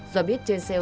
do biết trên xe ô tô